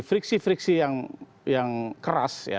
friksi friksi yang keras ya